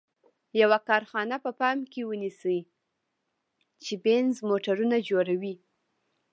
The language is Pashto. یوه کارخانه په پام کې ونیسئ چې بینز موټرونه جوړوي.